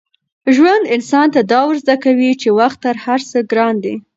ژوند انسان ته دا ور زده کوي چي وخت تر هر څه ګران دی.